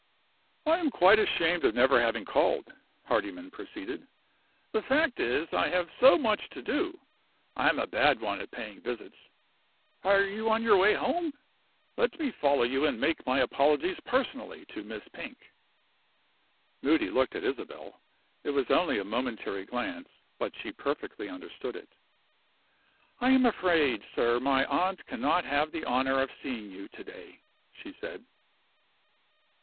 "I am quite ashamed of never having called," Hardyman proceeded. "The fact is, I have so much to do. I am a bad one at paying visits. Are you on your way home? Let me follow you and make my apologies personally to Miss Pink." Moody looked at Isabel. It was only a momentary glance, but she perfectly understood it. "I am afraid, sir, my aunt cannot have the honor of seeing you to day," she said.